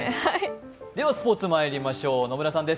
ではスポーツまいりましょう。